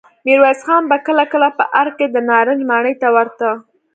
ميرويس خان به کله کله په ارګ کې د نارنج ماڼۍ ته ورته.